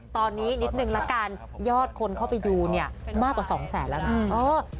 ตอนนี้นิดนึงละกันยอดคนเข้าไปดูเนี่ยมากกว่า๒แสนแล้วนะ